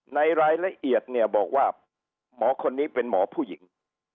ในรายละเอียดเนี่ยบอกว่าหมอคนนี้เป็นหมอผู้หญิง